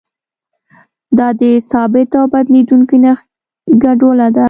دا د ثابت او بدلیدونکي نرخ ګډوله ده.